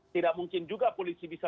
tidak mungkin juga polisi bisa